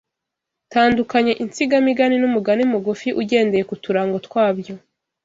Tandukanya insigamigani n’umugani mugufi ugendeye ku turango twabyo